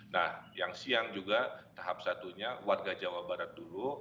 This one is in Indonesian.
nah yang siang juga tahap satunya warga jawa barat dulu